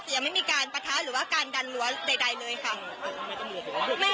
ยังไม่มีการปะทะหรือว่าการดันรั้วใดเลยค่ะ